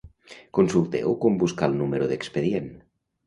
Consulteu com buscar el número d'expedient.